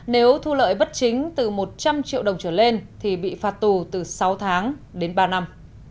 nếu thu lợi bất chính từ một trăm linh triệu đồng trở lên thì bị phạt tù từ sáu tháng đến ba năm